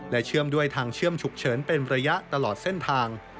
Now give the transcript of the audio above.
เชื่อมด้วยทางเชื่อมฉุกเฉินเป็นระยะตลอดเส้นทาง